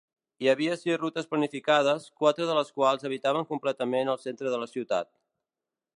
Hi havia sis rutes planificades, quatre de les quals evitaven completament el centre de la ciutat.